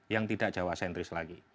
yang tidak jawa sentris lagi